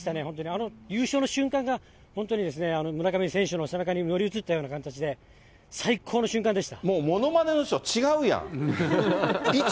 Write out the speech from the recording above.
あの優勝の瞬間が本当に村上選手の背中にのりうつったような形で、もう、ものまねの人違うやん。